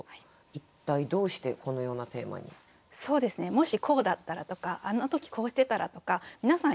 もしこうだったらとかあんな時こうしてたらとか皆さん